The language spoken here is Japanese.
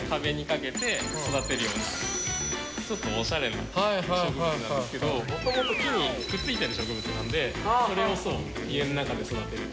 ちょっとオシャレな植物なんですけど元々木にくっついている植物なのでそれを家の中で育てると。